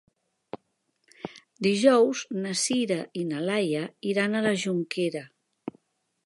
Dijous na Sira i na Laia iran a la Jonquera.